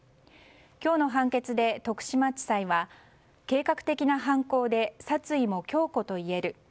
今日の判決で徳島地裁は計画的な犯行で殺意も強固といえる。